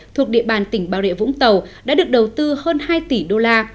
thuộc địa bàn tỉnh bà rịa vũng tàu đã được đầu tư hơn hai tỷ đô la